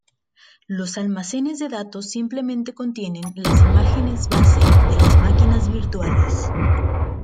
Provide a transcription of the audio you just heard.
Los almacenes de datos simplemente contienen las imágenes base de las máquinas virtuales.